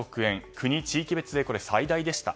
国・地域別で最大でした。